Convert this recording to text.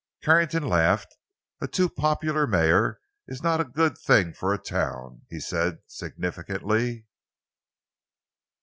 Carrington laughed. "A too popular mayor is not a good thing for a town," he said significantly.